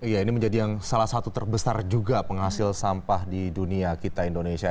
iya ini menjadi yang salah satu terbesar juga penghasil sampah di dunia kita indonesia